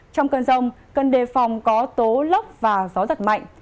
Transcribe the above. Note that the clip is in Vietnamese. trong cơn rông cần đề phòng có tố lốc và gió giật mạnh